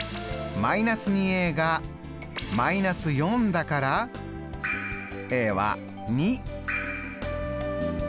−２が−４だからは２。